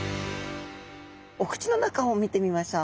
お口の中を見てみましょう。